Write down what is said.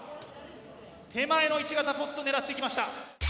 手前の１型ポット狙ってきました！